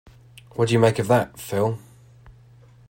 What do you make of that, Phil?